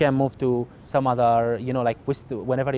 anda bisa bergerak ke tempat lain seperti